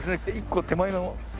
１個手前の。